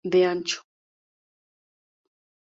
De ancho.